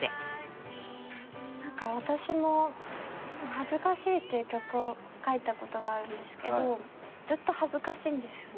私も『恥ずかしい』っていう曲を書いたことがあるんですけどずっと恥ずかしいんですよね。